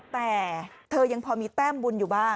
แต่เธอยังพอมีแต้มบุญอยู่บ้าง